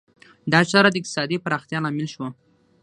دا چاره د اقتصادي پراختیا لامل شوه.